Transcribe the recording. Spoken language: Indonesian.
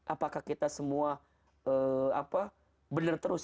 apakah kita semua benar terus